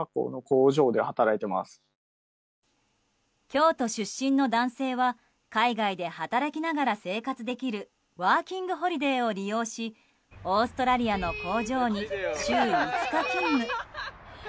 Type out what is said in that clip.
京都出身の男性は海外で働きながら生活できるワーキングホリデーを利用しオーストラリアの工場に週５日勤務。